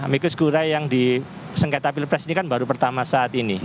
amicus curiae yang di sengketa pilpres ini kan baru pertama saja